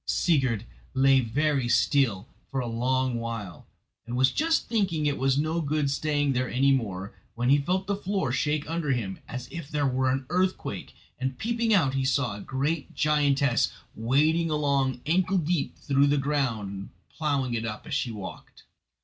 Sigurd lay very still for a long while, and was just thinking it was no good staying there any more, when he felt the floor shake under him as if there were an earthquake, and peeping out he saw a great giantess wading along ankle deep through the ground and ploughing it up as she walked.